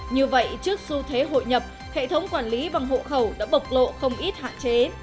như vậy trước xu thế hội nhập hệ thống quản lý bằng hộ khẩu đã bộc lộ không ít hạn chế